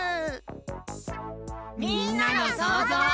みんなのそうぞう。